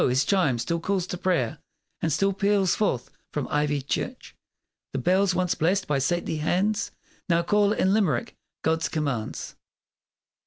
his chime still calls to prayer, And still peals forth from ivied church. The bells once blessed by saintly hands Now call, in Limerick, God's commands!